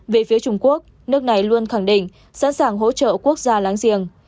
về phía trung quốc nước này luôn khẳng định sẵn sàng hỗ trợ quốc gia láng giềng